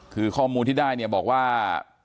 คือข้อมูลที่ได้เนี่ยบอกว่า